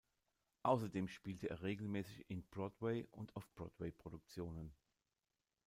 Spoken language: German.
Außerdem spielt er regelmäßig in Broadway- und Off-Broadway-Produktionen.